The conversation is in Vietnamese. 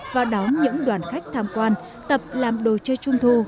và đón những đoàn khách tham quan tập làm đồ chơi trung thu